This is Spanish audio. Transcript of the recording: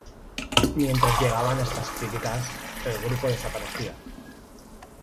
Mientras llegaban estas críticas, el grupo desaparecía.